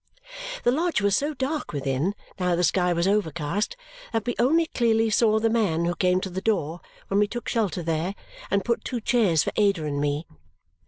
The lodge was so dark within, now the sky was overcast, that we only clearly saw the man who came to the door when we took shelter there and put two chairs for Ada and me.